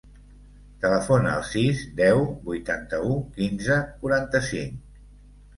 Telefona al sis, deu, vuitanta-u, quinze, quaranta-cinc.